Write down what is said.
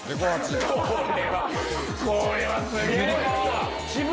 これはこれはすげぇな。